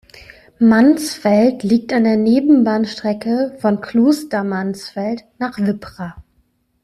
Mansfeld liegt an der Nebenbahnstrecke von Klostermansfeld nach Wippra.